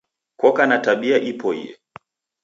Koka na tabia ipoie.